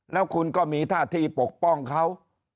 แล้วคุณก็มีท่าที่ปกป้องเขา